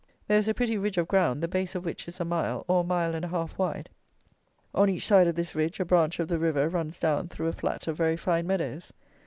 There is a pretty ridge of ground, the base of which is a mile, or a mile and a half wide. On each side of this ridge a branch of the river runs down through a flat of very fine meadows.